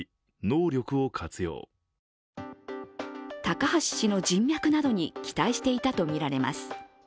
高橋氏の人脈などに期待していたとみられます。